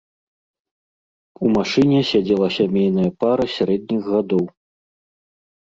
У машыне сядзела сямейная пара сярэдніх гадоў.